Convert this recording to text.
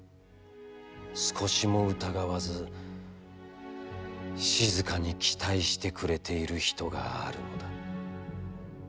少しも疑わず、静かに期待してくれている人があるのだ。